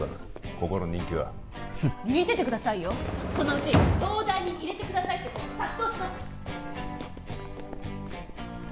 ここの人気は見ててくださいよそのうち東大に入れてくださいって子が殺到します！